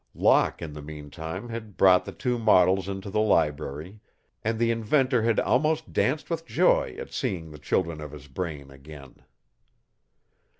Locke in the mean time had brought the two models into the library and the inventor had almost danced with joy at seeing the children of his brain again.